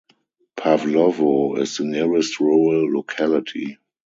Pavlovo is the nearest rural locality.